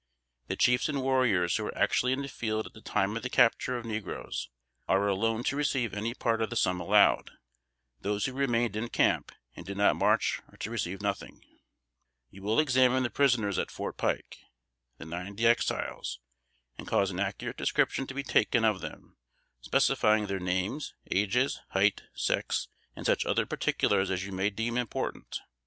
The chiefs and warriors who were actually in the field at the time of the capture of negroes are alone to receive any part of the sum allowed. Those who remained in camp and did not march are to receive nothing. "You will examine the prisoners at 'Fort Pike,' (the ninety Exiles,) and cause an accurate description to be taken of them, specifying their names, ages, height, sex, and such other particulars as you may deem important.